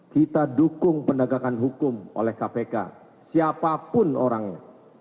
kita dukung penegakan hukum oleh kpk siapapun orangnya